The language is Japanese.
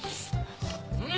うん！